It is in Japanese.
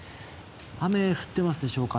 雨が降っていますでしょうか